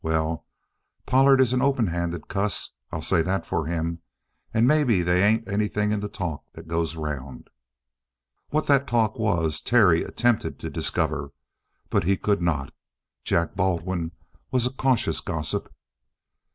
Well Pollard is an open handed cuss, I'll say that for him, and maybe they ain't anything in the talk that goes around." What that talk was Terry attempted to discover, but he could not. Jack Baldwin was a cautious gossip.